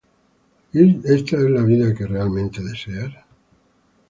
Is This the Life We Really Want?